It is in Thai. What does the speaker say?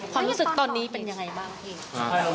ความรู้สึกตอนวีอยี่เป็นยังไงบ้าง